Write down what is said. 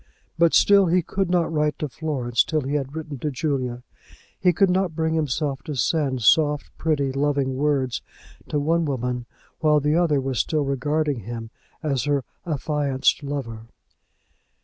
But still he could not write to Florence till he had written to Julia. He could not bring himself to send soft, pretty, loving words to one woman while the other was still regarding him as her affianced lover.